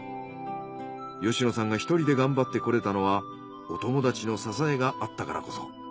吉野さんが１人で頑張ってこれたのはお友達の支えがあったからこそ。